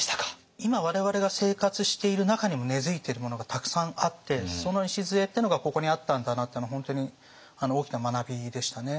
今我々が生活している中にも根づいているものがたくさんあってその礎っていうのがここにあったんだなっていうのは本当に大きな学びでしたね。